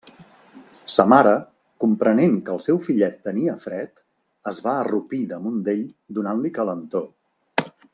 Sa mare, comprenent que el seu fillet tenia fred, es va arrupir damunt d'ell donant-li calentor.